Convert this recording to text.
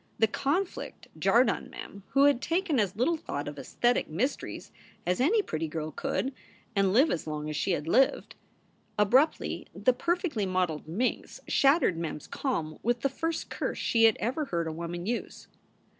The conflict jarred on Mem, who had taken as little thought of aesthetic mysteries as any pretty girl could, and live as long as she had lived. Abruptly the perfectly modeled minx shattered Mem s calm with the first curse she had ever heard a woman use.